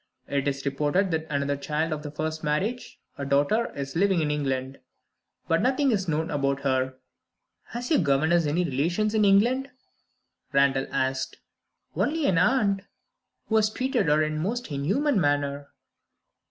It is reported that another child of the first marriage (a daughter) is living in England. But nothing is known about her." "Has your governess any relations in England?" Randal asked. "Only an aunt, who has treated her in the most inhuman manner."